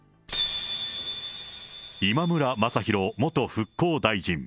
今村雅弘元復興大臣。